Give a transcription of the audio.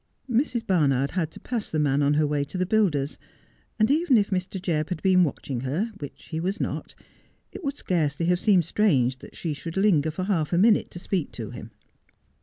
Mrs. Barnard had to pass the man on her way to the builder's, and even if Mr. Jebb had been watching her, which he was not, it would scarcely have seemed strange that she should linger for half a minute to speak to him.